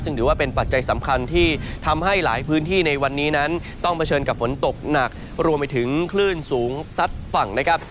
ซึ่งถือว่าเป็นปัจจัยสำคัญที่ทำให้หลายพื้นที่ในวันนี้นั้นต้องเผชิญกับฝนตกหนักรวมไปถึงคลื่นสูงซัดฝั่งนะครับ